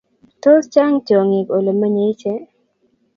Tos Chang tyongik olemenye iche?